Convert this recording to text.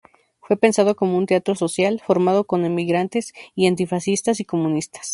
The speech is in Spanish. Fue pensado como un teatro social, formado con emigrantes y antifascistas y comunistas.